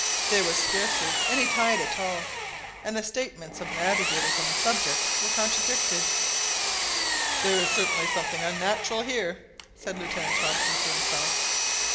There was scarcely any tide at all, and the statements of navigators on the subject were contradicted. "There is certainly something unnatural here !" said Lieutenant Hobson to himself.